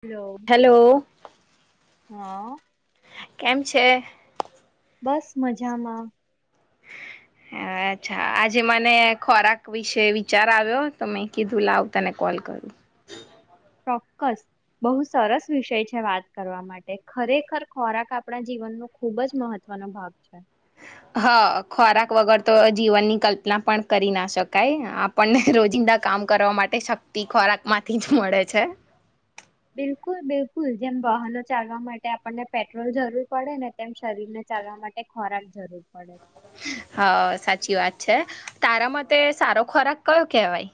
hello hello હા કેમ છે બસ મજામાં અચ્છા આજે મને ખોરાક વિશે વિચાર આવ્યો તો મેં કીધું લાવું તને કોલ કરું ચોક્કસ બહુ સરસ વિષય છે વાત કરવા માટે ખરેખર ખોરાક આપણા જીવનનો ખૂબ જ મહત્વનો ભાગ છે હા ખોરાક વગર તો જીવનની કલ્પના પણ કરી ના શકાય આપણને રોજિંદા કામ કરવા માટે શક્તિ ખોરાક માંથી જ મળે છે બિલકુલ બિલકુલ જેમ વાહનો ચાલવા માટે આપણને પેટ્રોલ જરૂર પડે ને તેમ શરીરને ચાલવા માટે ખોરાક જરૂર પડે હા સાચી વાત છે તારા મતે સારો ખોરાક કયો કેવાય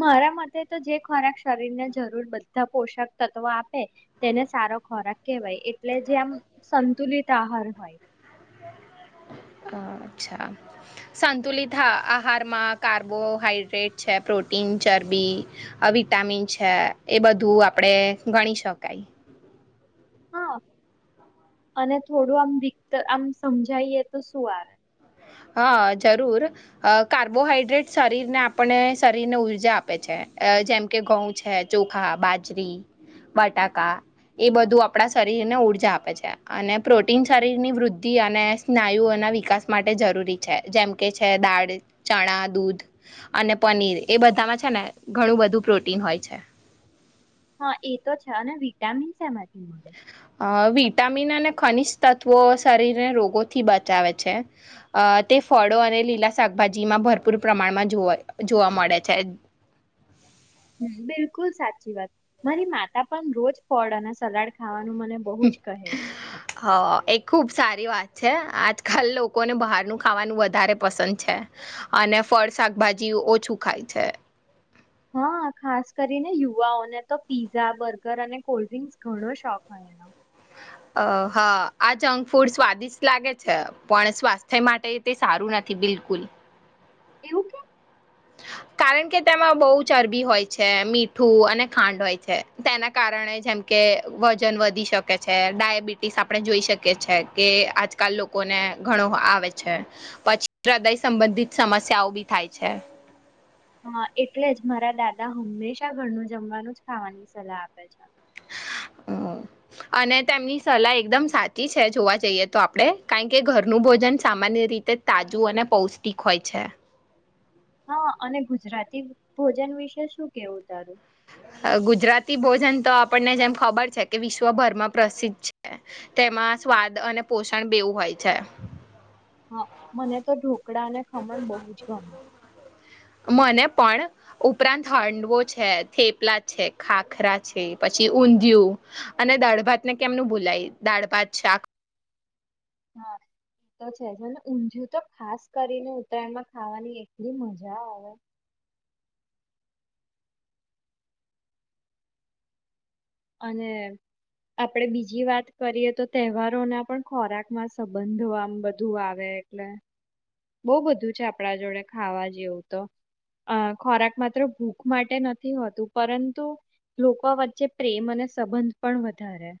મારા મતે તો જે ખોરાક શરીર ને જરૂર બધા પોષક તત્વો આપે તેને સારો ખોરાક કેવાય એટલે જે આમ સંતુલિત તહાર હોય અચ્છા સંતુલિત આહારમાં કાર્બોહાઈડ્રેટ છે પ્રોટીન ચરબી વિટામિન છે એ બધું આપણેે ગણી શકાય હા અને થોડું આમત આમ સમજાયએ તો શું આવે હા જરૂર કાર્બોહાઈડ્રેટ શરીરને આપણે શરીરને ઉર્જા આપે છે જેમકે ઘઉં છે ચોખા બાજરી બટાકા એ બધું આપણા શરીરને ઉર્જા આપે છે અને પ્રોટીન શરીરની વૃદ્ધિ અને સ્નાયુઓના વિકાસ માટે જરૂરી છે જેમ કે છે દાળ ચણા દૂધ અને પનીર એ બધામાં છે ને ઘણું બધું પ્રોટીન હોય છે હા એ તો છે અને વિટામિનસ એમાંથી મળે અ વિટામિન અને ખનિજ તત્વો શરીરને રોગોથી બચાવે છે તે ફળો અને લીલા શાકભાજીમાં ભરપૂર પ્રમાણમાં જોવા જોવા મળે છે બિલકુલ સાચી વાત મારી માતા પણ રોજ ફળ અને સલાડ ખાવાનું મને બહુ જ કહે હા એ ખુબ સારી વાત છે આજકાલ લોકોને બહારનું ખાવાનું વધારે પસંદ છે અને ફળ શાકભાજી ઓછું ખાય છે હા ખાસ કરીને યુવાઓને તો પીઝા બર્ગર અને કોલ્ડ્રિંક્સ ઘણો શોખ હોય એનો અ હા આ જંક ફૂડ સ્વાદિષ્ટ લાગે છે પણ સ્વાસ્થ્ય માટે તે સારું નથી બિલકુલ એવું કેમ કારણ કે તેમાં બહુ ચરબી હોય છે મીઠું અને ખાંડ હોય છે તેના કારણે જેમ કે વજન વધી શકે છે ડાયાબિટીસ આપણે જોઈ શકીએ છે કે આજકાલ લોકોને ઘણો આવે છે પછી હ્રદય સંબંધિત સમસ્યાઓ બી થાય છે હ એટલે જ મારા દાદા હંમેશા ઘરનું જમવાનું જ ખાવાની સલાહ આપે છે હમ અને તેમની સલાહ એકદમ સાચી છે જોવા જઈએ તો આપડણે કારણ કે ઘરનું ભોજન સામાન્ય રીતે તાજું અને પૌષ્ટિક હોય છે હા અને ગુજરાતી ભોજન વિશે શું કેવું તારું ગુજરાતી ભોજન તો આપણને જેમ ખબર છે કે વિશ્વભરમાં પ્રસિદ્ધ છે તેમાં સ્વાદ અને પોષણ બેવું હોય છે હા મને તો ઢોક કુકડા અને ખમણ બહુ જ ગમે મને પણ ઉપરાંત હંડવો છે થેપલા છે ખાખરા છે પછી ઊંધિયું અને દાળભાતને કેમનું ભૂલાય દાળ ભાત છે આ હા એ તો છે જ ઊંધયું તો ખાસ કરીને ઉત્તરાયણમાં ખાવાની એટલી મજા આવે અને આપડે બીજી વાત કરીએ તો તહેવારોના પણ ખોરાકમાં સંબંધ આમ બધું આવે એટલે બહુ બધું છે આપણા જોડે ખાવા જેવું તો અ ખોરાક માત્ર ભૂખ માટે નથી હોતું પરંતુ લોકો વચ્ચે પ્રેમ અને સંબંધ પણ વધારે